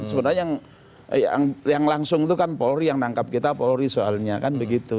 sebenarnya yang langsung itu kan polri yang nangkap kita polri soalnya kan begitu